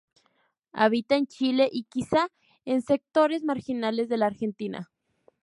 Habita en Chile y, quizá, en sectores marginales de la Argentina.